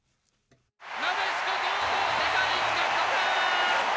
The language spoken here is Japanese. なでしことうとう世界一獲得。